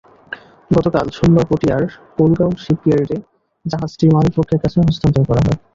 গতকাল সোমবার পটিয়ার কোলগাঁও শিপইয়ার্ডে জাহাজটি মালিকপক্ষের কাছে হস্তান্তর করা হয়।